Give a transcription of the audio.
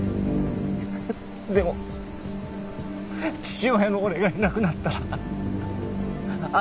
でも父親の俺がいなくなったらあの子は。